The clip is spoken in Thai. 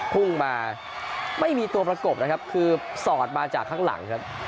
พุ่งมาไม่มีตัวประกบนะครับคือสอดมาจากข้างหลังครับ